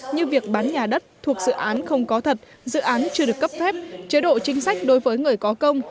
như việc bán nhà đất thuộc dự án không có thật dự án chưa được cấp phép chế độ chính sách đối với người có công